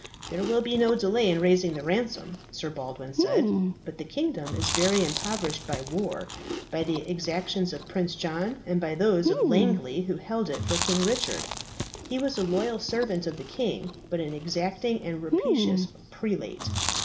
"There will be no delay in raising the ransom," Sir Baldwin said. "But the kingdom is very impoverished by war, by the exactions of Prince John, and by those of Langley, who held it for King Richard. He was a loyal servant of the king, but an exacting and rapacious prelate.